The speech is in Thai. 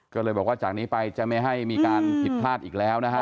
ก็เลยบอกว่าจากนี้ไปจะไม่ให้มีการผิดพลาดอีกแล้วนะฮะ